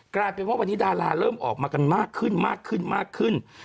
กลายเป็นว่าวันนี้ดาราเริ่มออกมากันมากขึ้นมากขึ้นมากขึ้นมากขึ้น